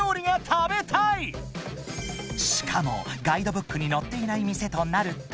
［しかもガイドブックに載っていない店となると］